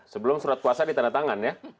sebelum surat puasa ditandatangan ya